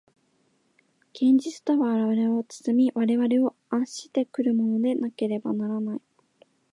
現実とは我々を包み、我々を圧し来るものでなければならない。